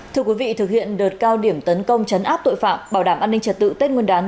thưa quý vị thực hiện đợt cao điểm tấn công chấn áp tội phạm bảo đảm an ninh trật tự tết nguyên đán